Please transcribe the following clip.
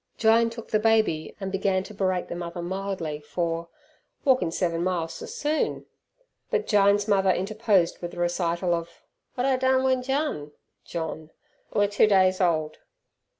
Jyne took the baby, and began to rate the mother mildly for "walkin' seven mile ser soon", but Jyne's mother interposed with a recital of "wot I dun w'en Jun" (John) "wur two days old."